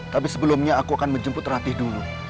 tapi sebelumnya aku akan menjemput ratih dulu